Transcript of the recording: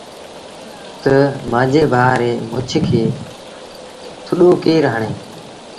تا مآݩجي ڀآ ريٚ مڇ کي ٿڏو ڪير هڻي۔